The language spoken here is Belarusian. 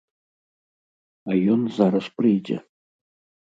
А ён зараз прыйдзе.